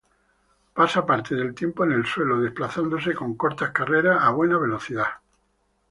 Pasa parte del tiempo en el suelo, desplazándose con cortas carreras a buena velocidad.